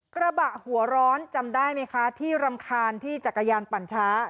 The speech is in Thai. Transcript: กระบะหัวร้อนจำได้ไหมคะที่รำคาญที่จักรยานปั่นช้า